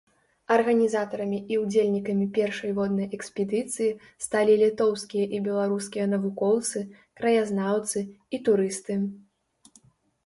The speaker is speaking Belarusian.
Арганізатарамі і ўдзельнікамі першай воднай экспедыцыі сталі літоўскія і беларускія навукоўцы, краязнаўцы і турысты.